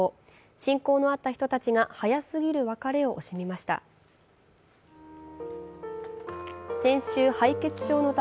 親交のあった人たちが早すぎる別れを惜しみました。